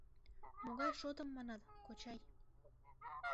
— Могай шотым манат, кочай?